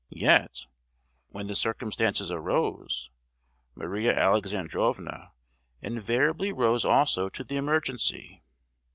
Yet, when the circumstances arose, Maria Alexandrovna invariably rose also to the emergency!